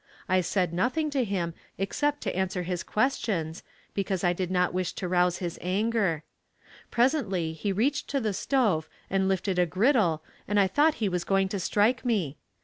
I said nothing to him except to answer his questions because I did not wish to rouse his anger. Presently he reached to the stove and lifted a griddle and I thought he was going to strike me.